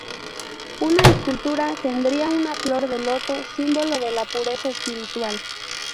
Una escultura tendría una flor de loto, símbolo de la pureza espiritual.